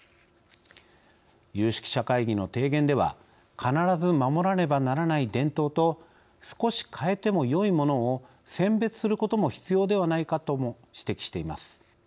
有識者会議の提言では「必ず守らねばならない伝統と少し変えてもよいものを選別することも必要ではないか」とも指摘しています。